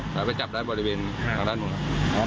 และไปจับได้บริเวณทางด้านหนึ่ง